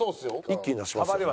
一気に出しますよ。